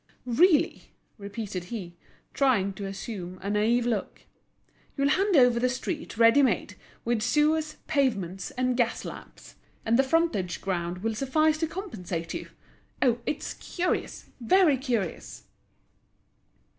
"Really," repeated he, trying to assume a naïve look, "you'll hand over the street ready made, with sewers, pavements, and gas lamps. And the frontage ground will suffice to compensate you. Oh! it's curious, very curious!"